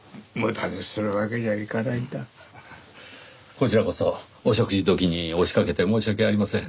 こちらこそお食事時に押しかけて申し訳ありません。